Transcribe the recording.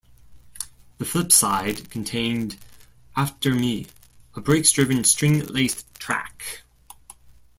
The flipside contained "After Me", a breaks driven string-laced track.